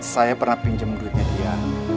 saya pernah pinjam duitnya dia